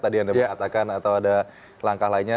tadi anda mengatakan atau ada langkah lainnya